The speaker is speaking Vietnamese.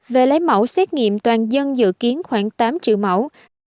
về lấy mẫu xét nghiệm toàn dân dự kiến khoảng tám triệu mẫu